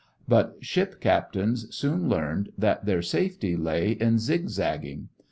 But ship captains soon learned that their safety lay in zig zagging.